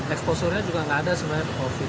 exposure nya juga nggak ada sebenarnya covid